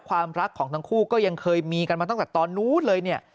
ความรักของทั้งคู่ก็ยังเคยมีกันมาตั้งแต่ตอนนู้นเลยเนี่ย